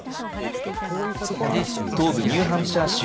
東部ニューハンプシャー州。